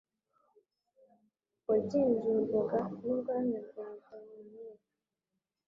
wagenzurwaga n'ubwami bwa Dahomey.